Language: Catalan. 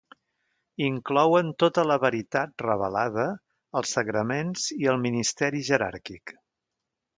Inclouen tota la veritat revelada, els sagraments i el ministeri jeràrquic.